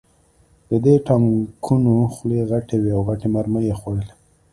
د دې ټانکونو خولې غټې وې او غټې مرمۍ یې خوړلې